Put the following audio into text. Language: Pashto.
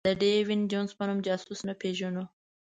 د ډېویډ جونز په نوم جاسوس نه پېژنو.